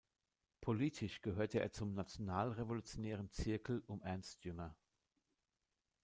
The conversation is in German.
Politisch gehörte er zum nationalrevolutionären Zirkel um Ernst Jünger.